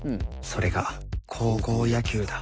それが高校野球だ。